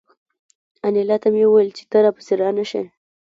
انیلا ته مې وویل چې ته را پسې را نشې